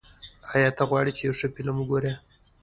ایا ته غواړې چې یو ښه فلم وګورې؟